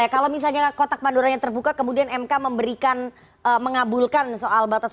kalau misalnya kotak pandoranya terbuka kemudian mk memberikan mengabulkan soal batas